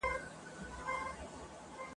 بيا يې كش يو ځل تر لاس بيا تر سږمه كړ !.